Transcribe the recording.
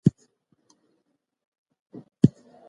لومړني لیکنې یوې پوهې لیکوال ته ورکړئ چې اصلاح یې کړي.